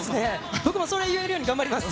僕もそれ、言えるように頑張ります。